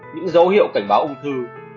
những dấu hiệu cảnh báo ung thư